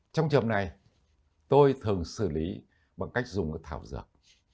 trong trường này tôi thường xử lý bằng cách dùng thảo dược